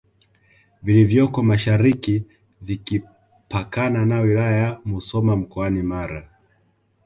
vilivyoko mashariki vikipakana na wilaya ya Musoma mkoani Mara